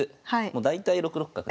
もう大体６六角。